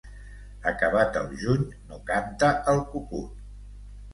Acabat el juny, no canta el cucut.